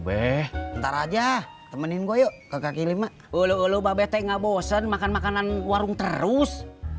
beh ntar aja temenin gua yuk ke kk lima ulu ulu babete nggak bosen makan makanan warung terus